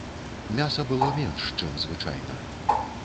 Мяса было менш, чым звычайна.